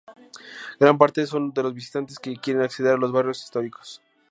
gran parte son de los visitantes que quieren acceder a los barrios históricos.